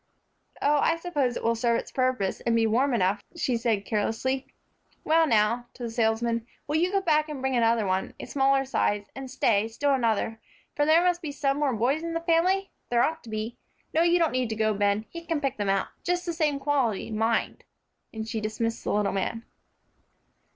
"Oh, I suppose it will serve its purpose, and be warm enough," she said carelessly. "Well, now," to the salesman, "will you go back and bring another one, a smaller size, and stay, still another, for there must be some more boys in the family? There ought to be. No, you don't need to go, Ben; he can pick them out. Just the same quality, mind," and she dismissed the little man.